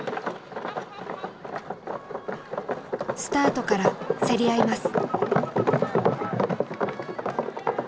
スタートから競り合います。